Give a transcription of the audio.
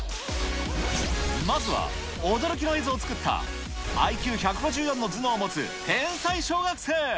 まずは驚きの映像を作ったＩＱ１５４の頭脳を持つ天才小学生。